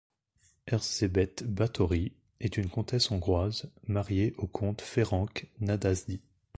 Erzsébet Báthory est une comtesse hongroise, mariée au comte Ferenc Nadasdy.